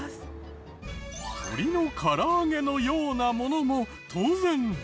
鶏の唐揚げのようなものも当然代用品。